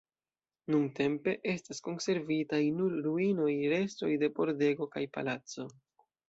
Nuntempe estas konservitaj nur ruinoj, restoj de pordego kaj palaco.